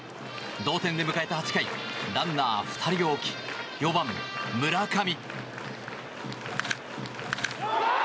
同点で迎えた８回ランナー２人を置き４番、村上。